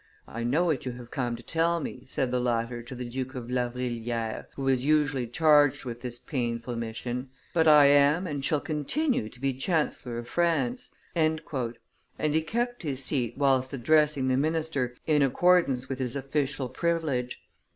"I know what you have come to tell me," said the latter to the Duke of La Vrilliere, who was usually charged with this painful mission, "but I am and shall continue to be chancellor of France," and he kept his seat whilst addressing the minister, in accordance with his official privilege.